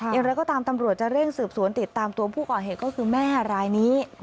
อย่างไรก็ตามตำรวจจะเร่งสืบสวนติดตามตัวผู้ก่อเหตุก็คือแม่รายนี้